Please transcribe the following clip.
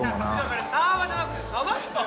それサーバーじゃなくて鯖っすよ！